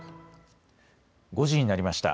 ５時になりました。